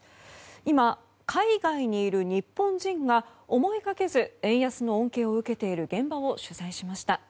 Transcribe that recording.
今、海外にいる日本人が思いがけず円安の恩恵を受けている現場を取材しました。